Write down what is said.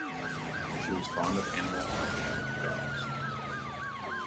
She was fond of animals and kept dogs.